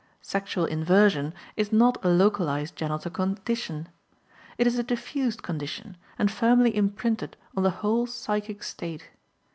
Sexual inversion, is not a localized genital condition. It is a diffused condition, and firmly imprinted on the whole psychic state.